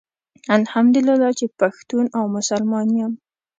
الحمدالله چي پښتون او مسلمان يم